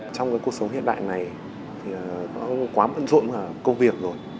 trong cái cuộc sống hiện đại này quá mẫn rộn cả công việc rồi